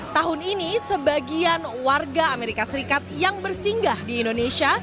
tahun ini sebagian warga amerika serikat yang bersinggah di indonesia